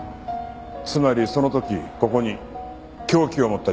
つまりその時ここに凶器を持った人物がいた。